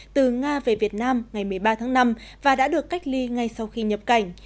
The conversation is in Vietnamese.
từ nga về việt nam ngày một mươi ba tháng năm và đã được cách ly ngay sau khi nhập cảnh